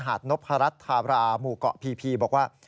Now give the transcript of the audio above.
หนพระรัฑณ์ธุระมู่เกาะพีบอกว่า